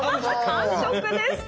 完食です！